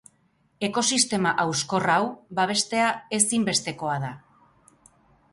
Ekosistema hauskor hau babestea ezinbestekoa da.